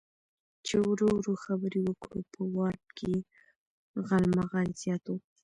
چې ورو ورو خبرې وکړو، په وارډ کې یې غالمغال زیات و.